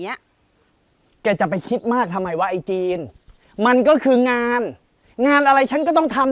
เนี้ยแกจะไปคิดมากทำไมวะไอจีนมันก็คืองานงานอะไรฉันก็ต้องทำ